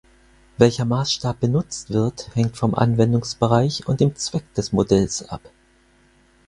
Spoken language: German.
Welcher Maßstab benutzt wird, hängt vom Anwendungsbereich und dem Zweck des Modells ab.